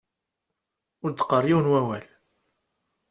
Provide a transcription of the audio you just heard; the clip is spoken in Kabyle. Ur d-qqar yiwen n wawal.